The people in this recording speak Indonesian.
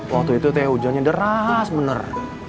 waktu itu teh hujannya deras benar